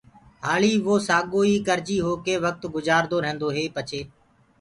هآݪي ووسآگوئي ڪرجي هوڪي وڪت گجآردو ريهندو هي پڇي